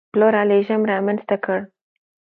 پلورالېزم رامنځته کړ.